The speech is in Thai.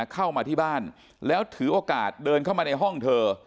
เข้ามาที่บ้านแล้วถือโอกาสเดินเข้ามาในห้องเธอ